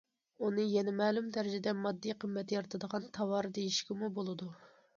ئۇنى يەنە مەلۇم دەرىجىدە ماددىي قىممەت يارىتىدىغان تاۋار، دېيىشكىمۇ بولىدۇ.